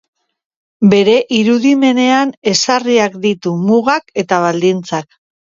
Bere irudimenean ezarriak ditu mugak eta baldintzak.